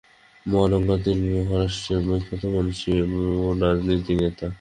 বালগঙ্গাধর তিলক মহারাষ্ট্রদেশীয় বিখ্যাত মনীষী ও রাজনীতিক নেতা।